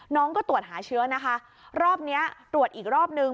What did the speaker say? น้องก็ตรวจหาเชื้อนะคะรอบนี้ตรวจอีกรอบนึง